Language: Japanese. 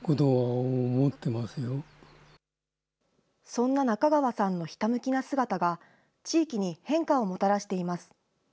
そんな中川さんのひたむきな姿が、地域に変化をもたらしています。